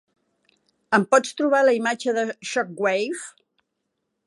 Em pots trobar la imatge de Shockwave?